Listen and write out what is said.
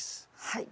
はい。